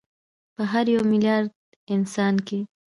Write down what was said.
په هر یو میلیارد انسان کې